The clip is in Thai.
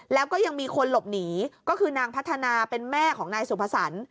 แล้วก็ยังมีคนหลบหนีก็คือนางพัฒนาเป็นแม่ของนายสุภสรรค